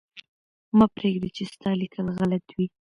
مه پرېږده چې ستا لیکل غلط وي.